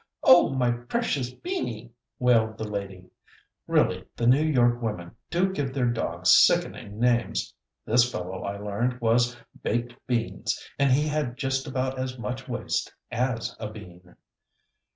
"Oh! my precious Beanie," wailed the lady. Really, the New York women do give their dogs sickening names. This fellow, I learned, was Baked Beans, and he had just about as much waist as a bean.